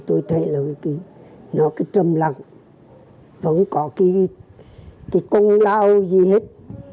tôi thấy là nó trầm lặng vẫn có công lao gì hết